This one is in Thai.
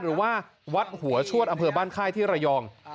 หรือว่าวัดหัวชวดอำเภอบ้านค่ายที่ระยอง